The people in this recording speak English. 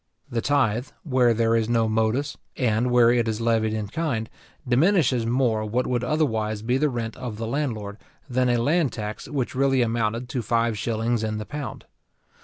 The tythe, where there is no modus, and where it is levied in kind, diminishes more what would otherwise be the rent of the landlord, than a land tax which really amounted to five shillings in the pound.